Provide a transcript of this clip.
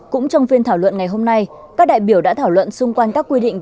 cũng trong phiên thảo luận ngày hôm nay các đại biểu đã thảo luận xung quanh các quy định